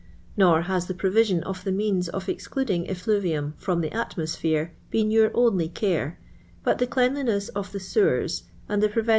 "Nor has the provibion of the means of ex cluding efiluvium from the atuioiphere been your only aire ; but the cleanliness of the sewers, and the pn*v«*nti